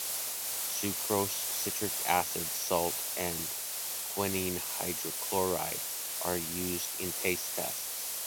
Sucrose, citric acid, salt and quinine hydrochloride are used in taste tests.